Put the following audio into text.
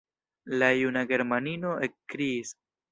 La juna germanino ekkriis: